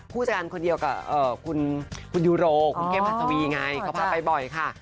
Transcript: ผู้จัดการคนเดียวกับคุณยูโรคุณเข้มหัสวีไงเขาพาไปบ่อยค่ะ